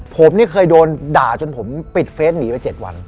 ผมนี่เคยโดนด่าจนผมปิดเฟสหนีไป๗วัน